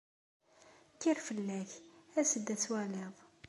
Kker fell-ak, as-d ad twaliḍ!